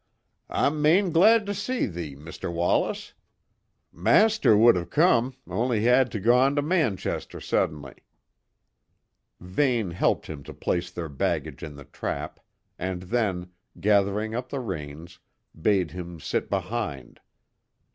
"I'm main glad to see thee, Mr. Wallace. Master wad have come, only he'd t' gan t' Manchester suddenly." Vane helped him to place their baggage in the trap, and then, gathering up the reins, bade him sit behind.